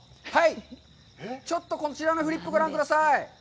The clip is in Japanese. ちょっと、こちらのフリップをご覧ください。